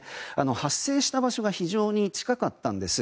発生した場所が非常に近かったんです。